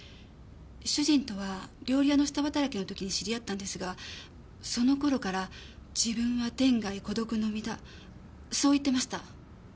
主人とは料理屋の下働きの時に知り合ったんですがその頃から自分は天涯孤独の身だそう言ってました。